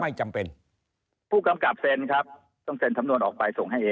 ไม่จำเป็นผู้กำกับเซ็นครับต้องเซ็นสำนวนออกไปส่งให้เอ